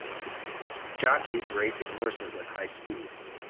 jockeys racing horses at high speed